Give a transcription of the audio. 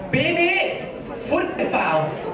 ปีนี้ฟุตไหมเปล่า